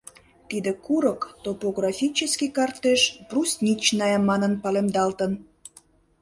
Тиде курык топографический картеш Брусничная манын палемдалтын.